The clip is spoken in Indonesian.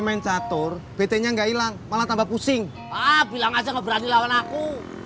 mencatur betenya nggak hilang malah tambah pusing ah bilang aja ngeberani lawan aku